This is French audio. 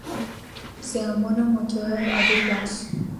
C'est un monomoteur à deux places.